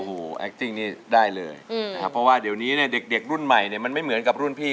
โอ้โหแอคติ้งนี่ได้เลยนะครับเพราะว่าเดี๋ยวนี้เนี่ยเด็กรุ่นใหม่เนี่ยมันไม่เหมือนกับรุ่นพี่